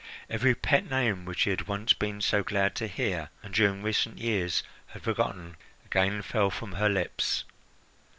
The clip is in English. Every pet name which he had once been so glad to hear, and during recent years had forgotten, again fell from her lips.